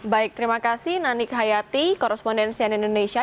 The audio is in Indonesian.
baik terima kasih nanik hayati korespondensian indonesia